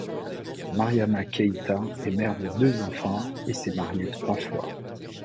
Mariama Keïta est mère de deux enfants et s'est mariée trois fois.